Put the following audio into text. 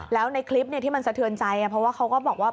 แล้วในคลิปที่มันสะเทือนใจเพราะว่าเขาก็บอกว่า